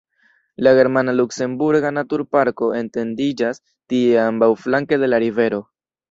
La germana-luksemburga naturparko etendiĝas tie ambaŭflanke de la rivero.